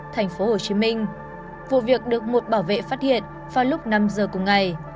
thành phố hồ chí minh vụ việc được một bảo vệ phát hiện vào lúc năm giờ cùng ngày